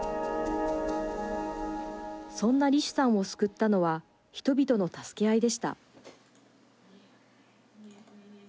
そんなリシュさんを救ったのは人々の助け合いでした。